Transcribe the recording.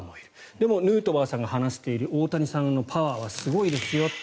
でもヌートバーさんが話している大谷さんのパワーはすごいですよと。